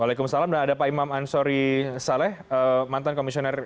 waalaikumsalam dan ada pak imam ansori saleh mantan komisioner